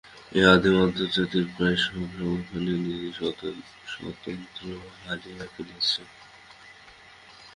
এই আদিম আর্যজাতির প্রায় সব শাখাই নিজেদের স্বাতন্ত্র্য হারাইয়া ফেলিয়াছে।